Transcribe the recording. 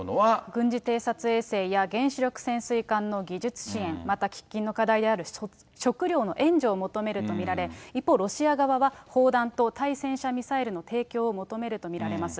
軍事偵察衛星や原子力潜水艦の技術支援、また喫緊の課題である食料の援助を求めると見られ、一方、ロシア側は砲弾と対戦車ミサイルの提供を求めると見られます。